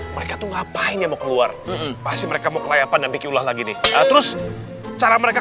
mereka tuh ngapain ya mau keluar pasti mereka mau kelayakan dan bikin ulah lagi nih terus cara mereka